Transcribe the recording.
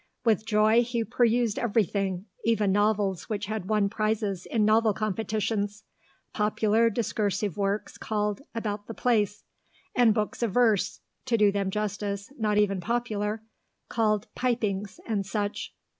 With joy he perused everything, even novels which had won prizes in novel competitions, popular discursive works called "About the Place," and books of verse (to do them justice, not even popular) called "Pipings," and such.